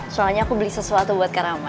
soalnya aku beli sesuatu buat kak rahman